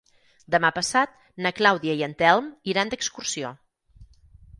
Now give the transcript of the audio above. Demà passat na Clàudia i en Telm iran d'excursió.